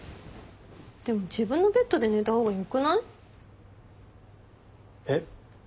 でも自分のベッドで寝た方がよくない？えっ？